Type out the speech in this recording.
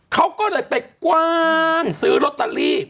เขาก็เลยไปกว้านซื้อลอตเตอรี่